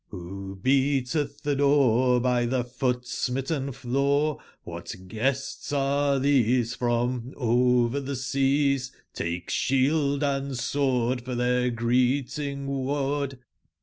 ^RO beatctb tbe door By tbe foot/smitten floor? Cdbat guests are tbese from over tbe seas ? ^ake sbield and sword for tbeir greeting/word.